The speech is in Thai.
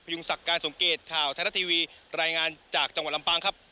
ยุงศักดิ์การสมเกตข่าวไทยรัฐทีวีรายงานจากจังหวัดลำปางครับ